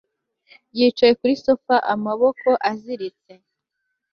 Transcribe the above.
Yicaye kuri sofa amaboko aziritse